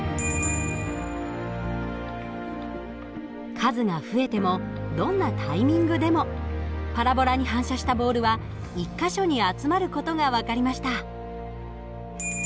数が増えてもどんなタイミングでもパラボラに反射したボールは１か所に集まる事が分かりました。